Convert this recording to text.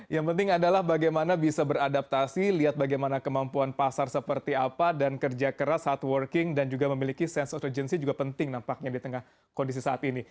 yang penting adalah bagaimana bisa beradaptasi lihat bagaimana kemampuan pasar seperti apa dan kerja keras hardworking dan juga memiliki sense of urgency juga penting nampaknya di tengah kondisi saat ini